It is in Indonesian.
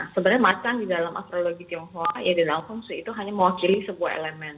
sebenarnya macan di dalam astrologi tionghoa ya di langsung itu hanya mewakili sebuah elemen